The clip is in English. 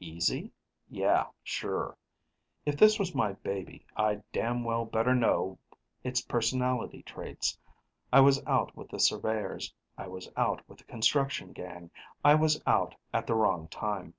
Easy? Yeah. Sure. If this was my baby, I'd damned well better know its personality traits. I was out with the surveyors, I was out with the construction gang, I was out at the wrong time.